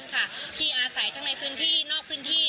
ที่อาศัยทั้งในพื้นที่นอกพื้นที่